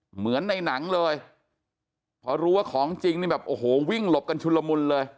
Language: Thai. เหมือนในหนังเลยพอรู้ว่าของจริงนี่แบบโอ้โหวิ่งหลบกันชุลมุนเลย